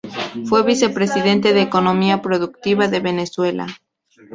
Fue Vicepresidente de Economía Productiva de Venezuela.